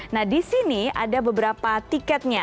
nah di sini ada beberapa tiketnya